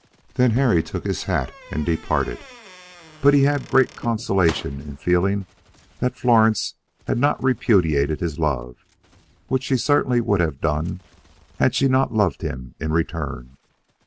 Then Harry took his hat and departed; but he had great consolation in feeling that Florence had not repudiated his love, which she certainly would have done had she not loved him in return.